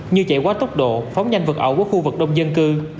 như chạy quá tốc độ phóng nhanh vật ẩu qua khu vực đông dân cư